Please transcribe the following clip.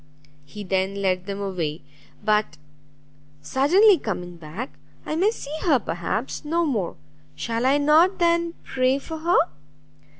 He then led them away; but, suddenly coming back, "I may see her, perhaps, no more! shall I not, then, pray for her?